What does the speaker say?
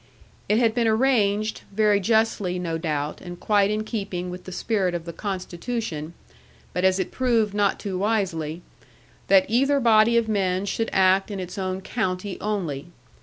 It had been arranged, very justly, no doubt, and quite in keeping with the spirit of the Constitution, but as it proved not too wisely, that either body of men should act in its own county only.